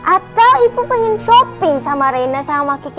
atau ibu pengen shopping sama reina sama kiki